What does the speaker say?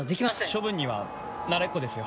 処分には慣れっこですよ。